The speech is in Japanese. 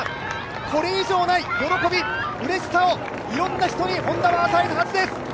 これ以上ない喜び、うれしさをいろんな人にＨｏｎｄａは与えるはずです。